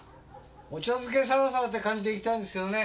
お茶漬けサラサラって感じでいきたいんですけどね。